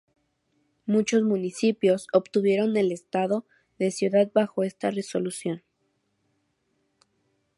Muchos municipios obtuvieron el estado de ciudad bajo esta resolución.